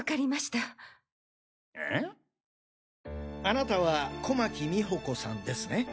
あなたは小牧美穂子さんですね？